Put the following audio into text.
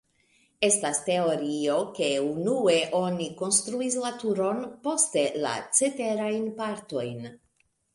Estas teorio, ke unue oni konstruis la turon, poste la ceterajn partojn.